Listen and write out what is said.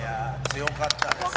強かったです。